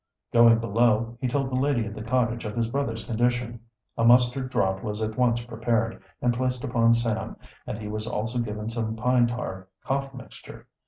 Going below, he told the lady of the cottage of his brother's condition. A mustard draught was at once prepared and placed upon Sam, and he was also given some pine tar cough mixture.